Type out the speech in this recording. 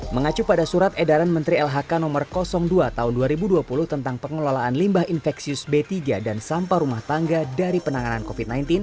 mengacu pada surat edaran menteri lhk no dua tahun dua ribu dua puluh tentang pengelolaan limbah infeksius b tiga dan sampah rumah tangga dari penanganan covid sembilan belas